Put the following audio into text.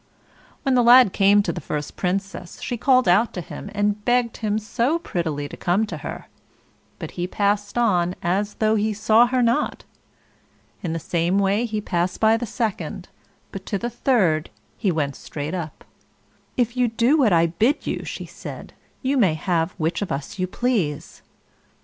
When the lad came to the first Princess, she called out to him, and begged him so prettily to come to her, but he passed on as though he saw her not. In the same way he passed by the second; but to the third he went straight up. "If you'll do what I bid you," she said, "you may have which of us you please."